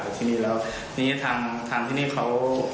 เธอที่นี่ทำทางทางตรงนี้เขา